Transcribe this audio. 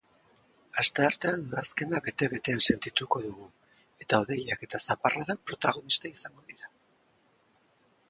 Asteartean udazkena bete-betean sentituko dugu eta hodeiak eta zaparradak protagonista izango dira.